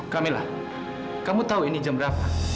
kamila kamu tahu ini jam berapa